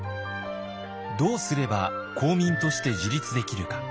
どうすれば公民として自立できるか。